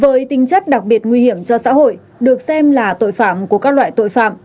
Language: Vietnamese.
với tinh chất đặc biệt nguy hiểm cho xã hội được xem là tội phạm của các loại tội phạm